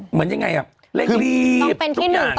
เหมือนยังไงอ่ะเรียบทุกอย่าง